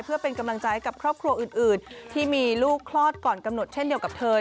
เพื่อเป็นกำลังใจกับครอบครัวอื่นที่มีลูกคลอดก่อนกำหนดเช่นเดียวกับเธอ